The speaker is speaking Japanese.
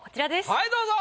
はいどうぞ。